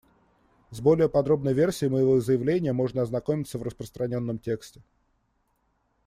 С более подробной версией моего заявления можно ознакомиться в распространенном тексте.